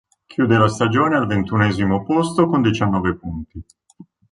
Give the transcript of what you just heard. Chiude la stagione al ventunesimo posto con diciannove punti.